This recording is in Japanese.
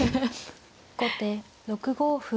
後手６五歩。